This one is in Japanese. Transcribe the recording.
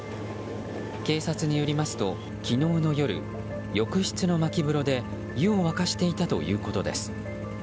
警察によりますと昨日の夜、浴室のまき風呂で湯を沸かしていたということです。